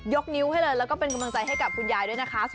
ยกนิ้วคุณที่เป็นกำลังจัยให้กับคุณยายด้วยนะคะ